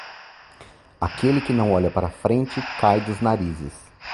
Aquele que não olha para frente cai dos narizes.